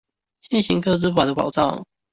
現行個資法的保障